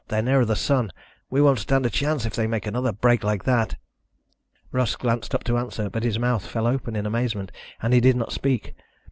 They're nearer the sun. We won't stand a chance if they make another break like that." Russ glanced up to answer, but his mouth fell open in amazement and he did not speak.